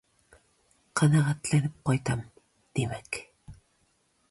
Канәгатьләнеп кайтам, димәк.